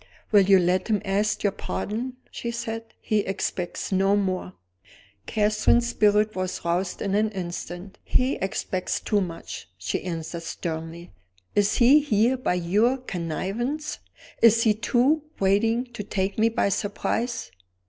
"Will you let him ask your pardon?" she said. "He expects no more." Catherine's spirit was roused in an instant. "He expects too much!" she answered, sternly. "Is he here by your connivance? Is he, too, waiting to take me by surprise?"